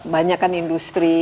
banyak kan industri